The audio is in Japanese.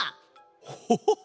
ホホホ。